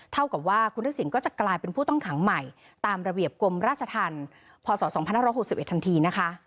เท่ากับว่าคุณทักษิณก็จะกลายเป็นผู้ต้องขังใหม่ตามระเบียบกรมราชธรรมพศ๒๕๖๑ทันทีนะคะ